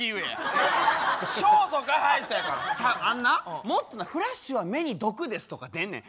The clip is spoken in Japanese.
あんなもっとな「フラッシュは目に毒です」とか出んねん。